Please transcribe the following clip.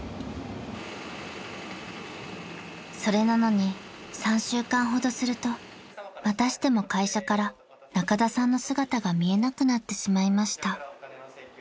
［それなのに３週間ほどするとまたしても会社から仲田さんの姿が見えなくなってしまいました］